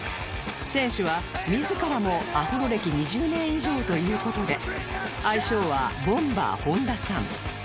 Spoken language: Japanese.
店主は自らもアフロ歴２０年以上という事で愛称はボンバー本田さん